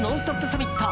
サミット。